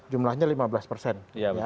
jumlahnya lima belas persen